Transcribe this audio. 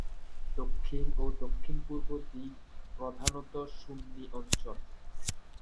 দক্ষিণ ও দক্ষিণ-পূর্ব দিক প্রধানত সুন্নি অঞ্চল।